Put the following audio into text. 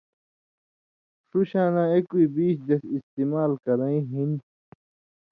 ݜُو شاناں ایکوئ بیش دیس استمال کرَیں ہِن